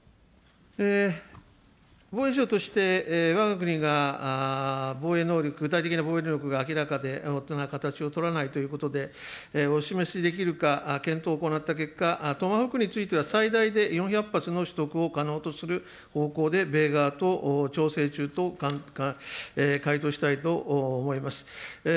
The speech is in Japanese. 防衛省としてわが国が防衛能力、具体的な防衛能力が明らかな形を取らないということで、お示しできるか検討を行った結果、トマホークについては、最大で４００発の取得を可能とする方向で、米側と調整中と回答したいと思います。